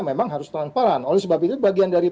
memang harus transparan oleh sebab itu bagian dari